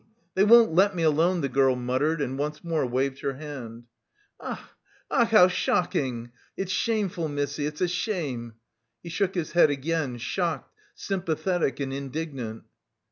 They won't let me alone," the girl muttered, and once more waved her hand. "Ach, ach, how shocking! It's shameful, missy, it's a shame!" He shook his head again, shocked, sympathetic and indignant.